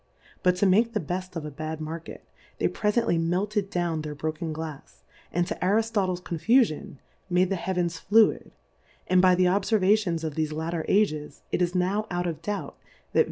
But to make the beft of a bad Market, they prefent ly m^elted down their broken Glafs, and to uiriftotle\ Confufion, made the Hea vens fluid ; and by the Obfervations af thefe latter Ages, it is nov/out of doubt, that Ve?